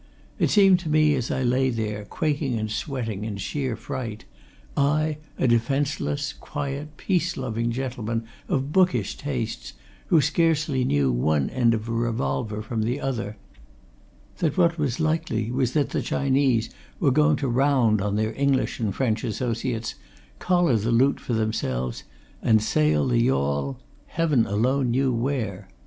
It seemed to me as I lay there, quaking and sweating in sheer fright I, a defenceless, quiet, peace loving gentleman of bookish tastes, who scarcely knew one end of a revolver from the other that what was likely was that the Chinese were going to round on their English and French associates, collar the loot for themselves, and sail the yawl Heaven alone knew where!